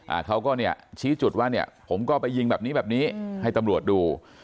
อ่าเขาก็เนี่ยชี้จุดว่าเนี่ยผมก็ไปยิงแบบนี้แบบนี้ให้ตำรวจดู